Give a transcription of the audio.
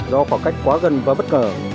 do khoảng cách quá gần và bất ngờ